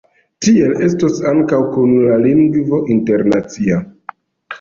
Tiel estos ankaŭ kun la lingvo internacia.